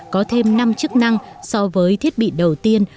có thêm năm chức năng so với thiết bị đầu tiên